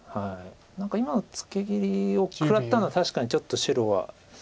何か今のツケ切りを食らったのは確かにちょっと白は。